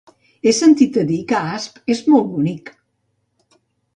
He sentit a dir que Asp és molt bonic.